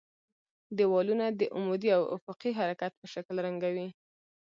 دېوالونه د عمودي او افقي حرکت په شکل رنګوي.